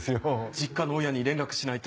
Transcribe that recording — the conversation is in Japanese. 実家の親に連絡しないと。